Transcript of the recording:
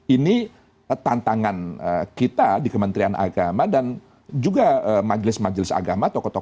ini tantangan kita di kementerian agama dan juga majelis majelis agama atau kota kota